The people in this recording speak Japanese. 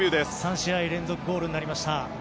３試合連続ゴールになりました。